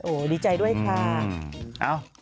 โอ้โหดีใจด้วยค่ะ